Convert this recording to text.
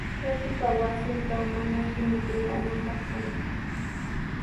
Shatupa wasintraw manashi mikuyaananpaq kanku.